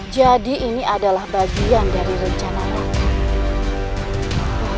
jadi ini adalah bagian dari rencana kakak